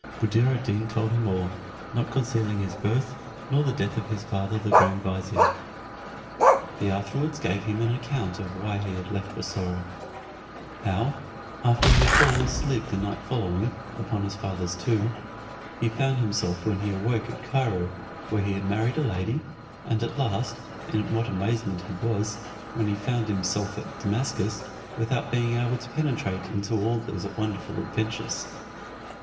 Buddir ad Deen told him all, not concealing his birth, nor the death of his father the grand vizier. He afterwards gave him an account why he had left Bussorah; how, after he had fallen asleep the night following upon his father's tomb, he found himself when he awoke at Cairo, where he had married a lady; and at last, in what amazement he was, when he found himself at Damascus, without being able to penetrate into all those wonderful adventures.